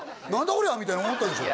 こりゃみたいに思ったでしょ